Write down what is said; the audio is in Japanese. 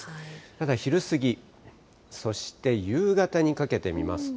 ただ昼過ぎ、そして夕方にかけて見ますと。